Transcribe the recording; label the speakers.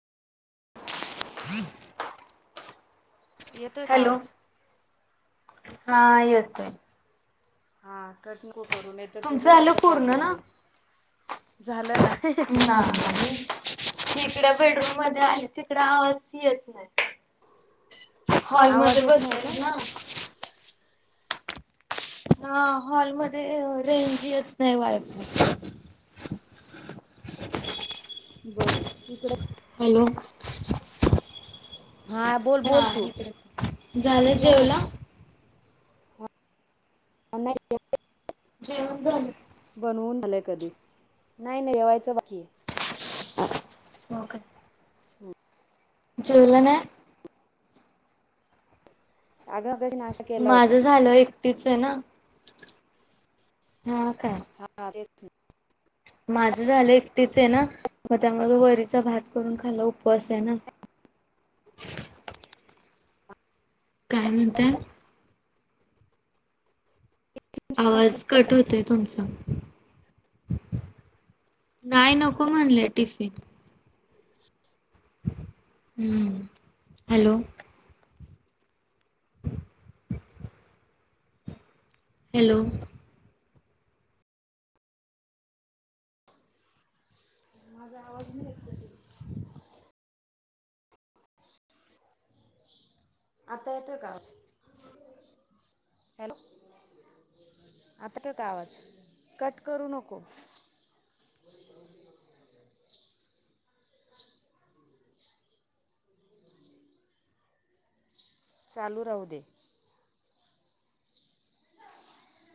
Speaker 1: ह [inaudible]
Speaker 2: येतोय का आवाज?
Speaker 1: हा येतोय.
Speaker 2: हा कट नको करू नयत
Speaker 1: तुमचं
Speaker 2: तुझा
Speaker 1: झालं
Speaker 2: तिकड
Speaker 1: पूर्ण
Speaker 2: प्रॉब्लेम
Speaker 1: ना?
Speaker 2: होईल. झालं ना.
Speaker 1: तिकड बेडरूम मध्ये आहे तिकड आवाज येत नाय.
Speaker 2: आवाज
Speaker 1: हॉलमध्ये
Speaker 2: येत नाही का?
Speaker 1: बसलेत ना. हा हॉलमध्ये रेंज येत नाही. वायफय [inaudible]
Speaker 2: बरं इकडं
Speaker 1: हॅलो.
Speaker 2: बोल
Speaker 1: हा
Speaker 2: बोल तू
Speaker 1: इकड झालं
Speaker 2: नको
Speaker 1: जेवला.
Speaker 2: नाही [unintelligible]
Speaker 1: जेवन झालं.
Speaker 2: बनवून झालंय कधीच नाही नाही जेवायचं बाकीये.
Speaker 1: हो का? जेवल नाय?
Speaker 2: आग मगशी नाष्टा केला होता.
Speaker 1: तेचे ना. हा काय?
Speaker 2: हा तेच.
Speaker 1: माझं झालं एकटीचय ना मग त्यामुळे म वरीचा भात करून खाला. उप वासे ना. काय म्हणताय. आवाज कट होतोय तुमचा. नाही नको म्हणले टिफिन.
Speaker 2: [inaudible]
Speaker 1: हम्म हॅलो. हॅलो.
Speaker 2: माझा आवाज नाही येत का तुला? आता येतोय का आवाज? हॅलो. आता येतो का आवाज? कट करू नको.
Speaker 1: ह [inaudible]
Speaker 2: चालू राहू दे.